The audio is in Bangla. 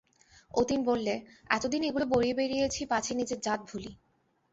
অতীন বললে, এতদিন এগুলো বয়ে বেড়িয়েছি পাছে নিজের জাত ভুলি।